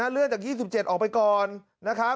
เลื่อนจาก๒๗ออกไปก่อน